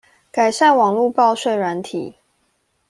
改善網路報稅軟體